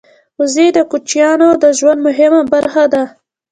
وزې د کوچیانو د ژوند مهمه برخه ده